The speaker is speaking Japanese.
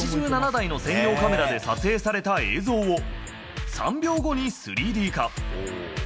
８７台の専用カメラで撮影された映像を、３秒後に３Ｄ化。